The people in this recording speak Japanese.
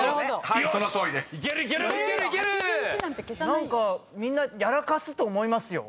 何かみんなやらかすと思いますよ。